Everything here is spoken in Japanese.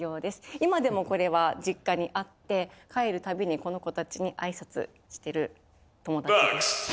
今でもこれは実家にあって帰るたびにこの子たちに挨拶してる友達です。